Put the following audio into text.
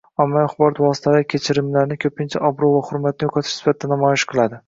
Ommaviy axborot vositalari kechirimlarni ko‘pincha obro‘ va hurmatni yo‘qotish sifatida namoyish qiladi.